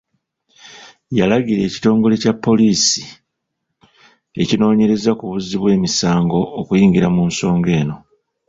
Yalagira ekitongole kya polisi ekinoonyereza ku buzzi bw' emisango okuyingira mu nsonga eno.